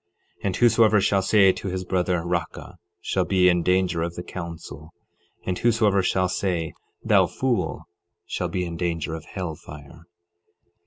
And whosoever shall say to his brother, Raca, shall be in danger of the council; and whosoever shall say, Thou fool, shall be in danger of hell fire.